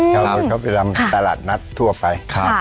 เช่าเข้าไปตามตลาดนัททั่วไป